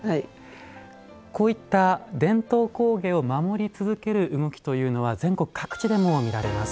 こういった伝統工芸を守り続ける動きというのは全国各地でも見られます。